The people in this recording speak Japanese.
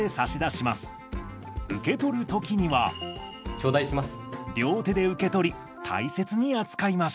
頂戴します。